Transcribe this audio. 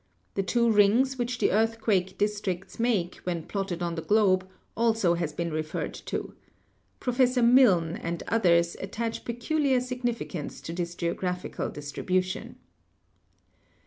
The two rings which the earthquake districts make when plotted on the globe also has been referred to. Professor Milne and others attach peculiar significance to this geographical distribution.